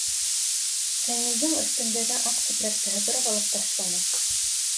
Фәнилдең өҫтөндәге аҡ сепрәкте һыпырып алып ташланы.